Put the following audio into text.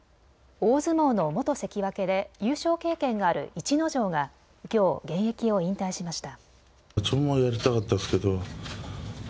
大相撲の元関脇で優勝経験がある逸ノ城がきょう現役を引退しました。